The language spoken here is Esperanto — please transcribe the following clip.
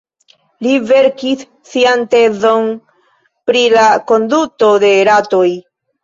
Li verkis sian tezon pri la konduto de ratoj.